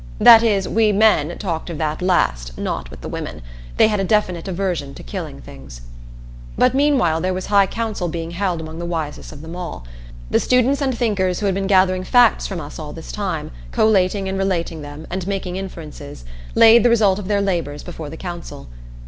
That is, we men talked of that last not with the women. They had a definite aversion to killing things. But meanwhile there was high council being held among the wisest of them all. The students and thinkers who had been gathering facts from us all this time, collating and relating them, and making inferences, laid the result of their labors before the council.